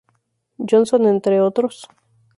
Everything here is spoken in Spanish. Johnson, entre otros.